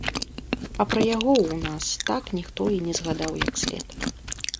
А пра яго ў нас так ніхто і не згадаў як след.